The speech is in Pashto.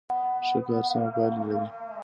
ښه کار سمه پایله لري.